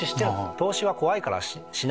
投資は怖いからしない！